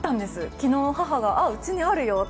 昨日、母がうちにあるよって。